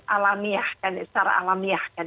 alamiahkan secara alamiahkan